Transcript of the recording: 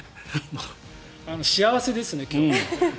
幸せですね、今日。